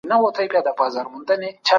تاسي تل د خپل ژوند په اړه فکر کوئ.